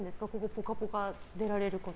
「ぽかぽか」に出られることを。